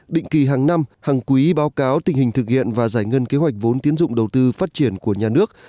định kỳ hàng năm hàng quý báo cáo tình hình thực hiện và giải ngân kế hoạch vốn tiến dụng đầu tư phát triển của nhà nước